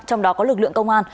trong đó có lực lượng công an